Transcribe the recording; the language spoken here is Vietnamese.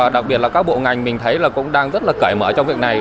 đặc biệt là các bộ ngành mình thấy là cũng đang rất là cởi mở trong việc này